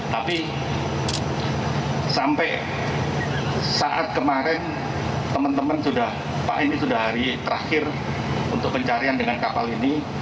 tapi sampai saat kemarin teman teman sudah pak ini sudah hari terakhir untuk pencarian dengan kapal ini